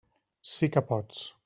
Sí que pots.